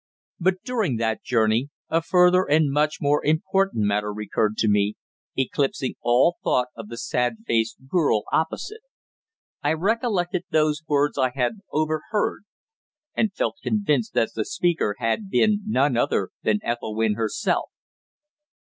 But during that journey a further and much more important matter recurred to me, eclipsing all thought of the sad faced girl opposite. I recollected those words I had overheard, and felt convinced that the speaker had been none other than Ethelwynn herself.